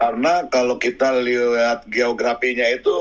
karena kalau kita lihat geografinya itu